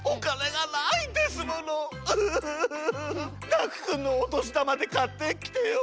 ダクくんのおとしだまでかってきてよ。